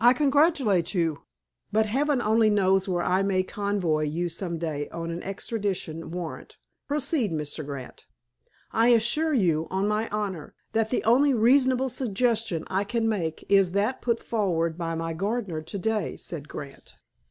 I congratulate you, but Heaven only knows where I may convoy you some day on an extradition warrant....Proceed, Mr. Grant." "I assure you, on my honor, that the only reasonable suggestion I can make is that put forward by my gardener to day," said Grant.